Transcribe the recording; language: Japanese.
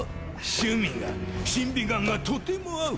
趣味が審美眼がとても合う！